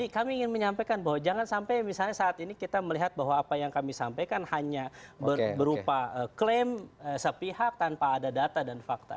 kami ingin menyampaikan bahwa jangan sampai misalnya saat ini kita melihat bahwa apa yang kami sampaikan hanya berupa klaim sepihak tanpa ada data dan fakta